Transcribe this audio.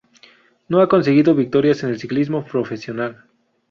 No ha conseguido victorias en el ciclismo profesional.